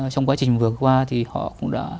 trong quá trình vừa qua thì họ cũng đã